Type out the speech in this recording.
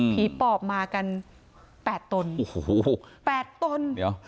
ผีปอบมากันแปดตน